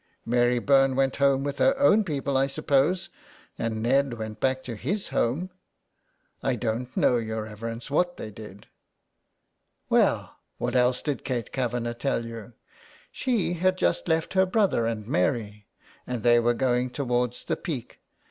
'' Mary Byrne went home with her own people, I suppose, and Ned went back to his home." " I don' know, your reverence, what they did." " Well, what else did Kate Kavanagh tell you ?"'* She had just left her brother and Mary, and they were going towards the Peak.